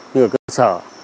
như cơ sở